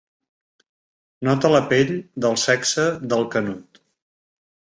Nota la pell del sexe del Canut.